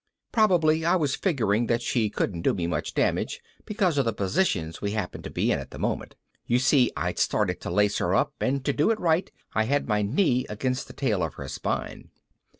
Probably I was figuring that she couldn't do me much damage because of the positions we happened to be in at the moment. You see, I'd started to lace her up and to do it right I had my knee against the tail of her spine.